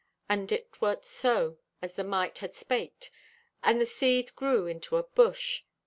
And it wert so as the Mite had spaked. And the Seed grew into a bush.